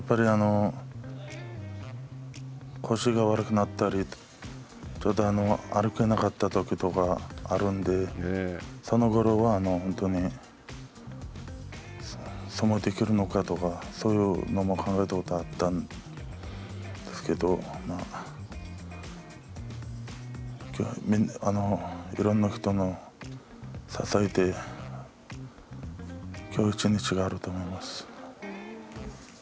腰が悪くなったり歩けなかったときとかがあるんでそのころは本当に相撲できるのかとかそういうのも考えたことがあったんですけどいろんな人の支えできょう一日があると思います。